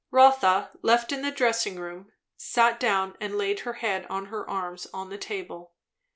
Rotha, left in the dressing room, sat down and laid her head on her arms on the table.